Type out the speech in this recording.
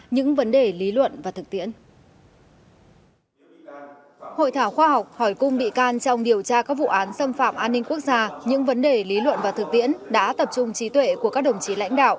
những vấn đề lý luận và thực tiễn đã tập trung trí tuệ của các đồng chí lãnh đạo